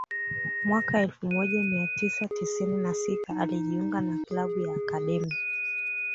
Mwaka elfu moja mia tisa tisini na sita alijiunga na klabu ya akademi